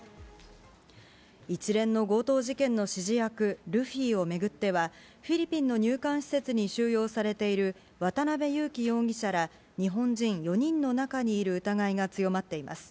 一連の強盗事件の指示役、ルフィを巡っては、フィリピンの入管施設に収容されている渡辺優樹容疑者ら、日本人４人の中にいる疑いが強まっています。